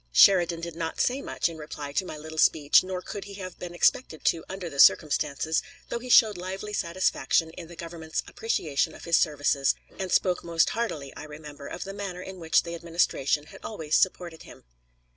Sheridan did not say much in reply to my little speech, nor could he have been expected to under the circumstances, though he showed lively satisfaction in the Government's appreciation of his services, and spoke most heartily, I remember, of the manner in which the administration had always supported him.